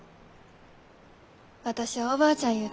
私はおばあちゃんゆう